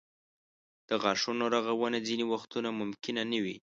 د غاښونو رغونه ځینې وختونه ممکنه نه وي.